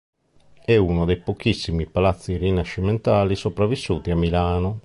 È uno dei pochissimi palazzi rinascimentali sopravvissuti a Milano.